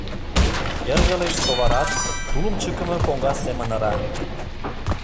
Эр велеш товарат тулым чыкыме коҥга семын ыра.